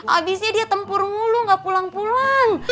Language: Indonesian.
abisnya dia tempur mulu nggak pulang pulang